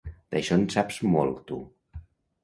D'això en saps molt, tu